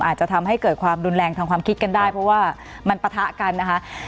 อาจจะทำให้เกิดความรุนแรงทางความคิดกันได้เพราะว่ามันปะทะกันนะคะ